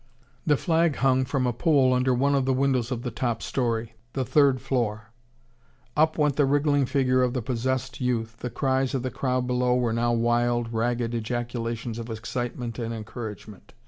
The flag hung from a pole under one of the windows of the top storey the third floor. Up went the wriggling figure of the possessed youth. The cries of the crowd below were now wild, ragged ejaculations of excitement and encouragement.